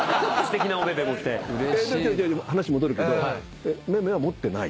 話戻るけどめめは持ってない？